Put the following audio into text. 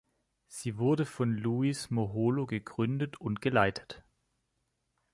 Sie wurde von Louis Moholo gegründet und geleitet.